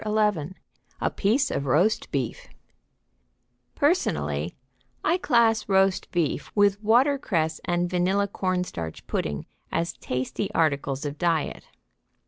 XI A PIECE OF ROAST BEEF Personally, I class roast beef with watercress and vanilla cornstarch pudding as tasty articles of diet.